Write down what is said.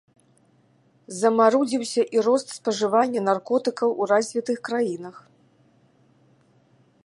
Замарудзіўся і рост спажывання наркотыкаў у развітых краінах.